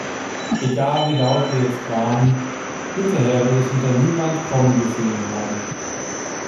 Egal wie laut wir jetzt warnen, hinterher wird es wieder niemand kommen gesehen haben.